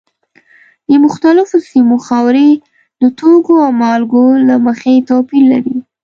د مختلفو سیمو خاورې د توکو او مالګو له مخې توپیر لري.